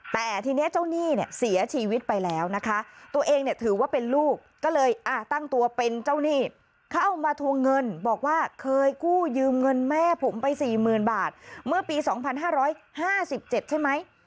แค่ผมไปสี่หมื่นบาทเมื่อปีสองพันห้าร้อยห้าสิบเจ็บใช่ไหม